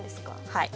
はい。